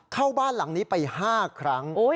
เข้าบ้านหลังนี้ไป๕ครั้ง